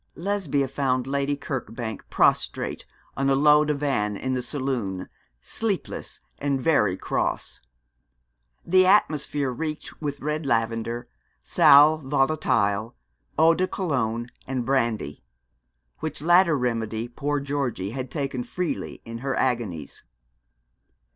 Lesbia found Lady Kirkbank prostrate on a low divan in the saloon, sleepless, and very cross. The atmosphere reeked with red lavender, sal volatile, eau de Cologne, and brandy, which latter remedy poor Georgie had taken freely in her agonies.